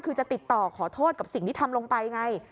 คือจะติดต่อขอโทษกับสิ่งที่ทำลงไปไง